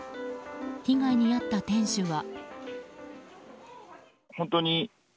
被害に遭った店主は。